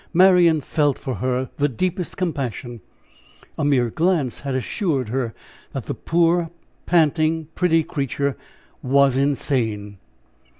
Marian felt for her the deepest compassion; a mere glance had assured her that the poor, panting, pretty creature was insane.